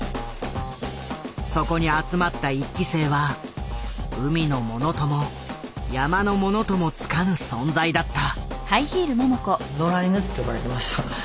そこに集まった１期生は海のものとも山のものともつかぬ存在だった。